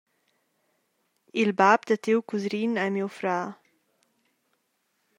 Il bab da tiu cusrin ei miu frar.